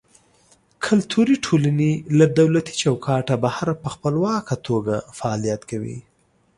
کلتوري ټولنې له دولتي چوکاټه بهر په خپلواکه توګه فعالیت کوي.